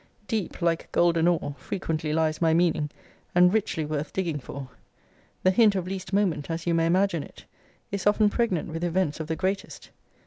Deep, like golden ore, frequently lies my meaning, and richly worth digging for. The hint of least moment, as you may imagine it, is often pregnant with events of the greatest.